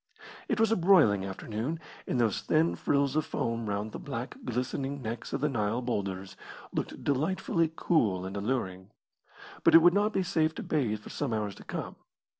It was a broiling afternoon, and those thin frills of foam round the black, glistening necks of the Nile boulders looked delightfully cool and alluring. But it would not be safe to bathe for some hours to come.